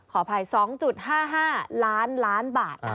ขออภัย๒๕๕ล้านล้านบาทนะคะ